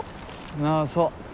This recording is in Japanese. ああそう。